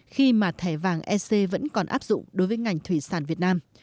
khi mà thẻ vàng ec vẫn còn áp dụng đối với ngành thủy sản việt nam